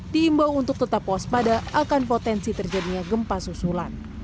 diimbau untuk tetap puas pada akan potensi terjadinya gempa sesulang